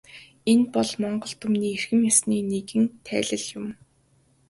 Энэ бол монгол түмний эрхэм ёсны нэгэн тайлал юм.